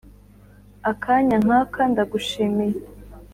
akanya nkaka ndagushimiye.